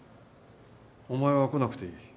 お前は来なくていい。